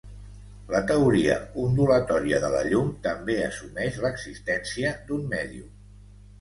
La teoria ondulatòria de la llum també assumeix l'existència d'un mèdium.